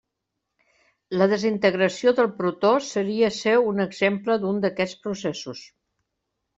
La desintegració del protó seria ser un exemple d'un d'aquests processos.